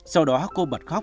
sau đó cô bật khóc